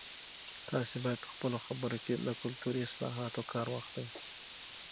تاسي باید په خپلو خبرو کې له کلتوري اصطلاحاتو کار واخلئ.